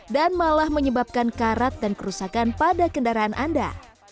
dan malah menyebabkan karat dan kerusakan pada kendaraan anda